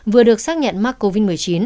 vừa được xác nhận mắc covid một mươi chín